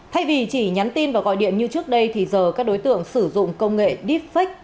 thay vì chỉ nhắn tin và gọi điện như trước đây thì giờ các đối tượng sử dụng công nghệ deepfake